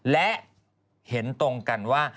และเห็นตรงกันว่า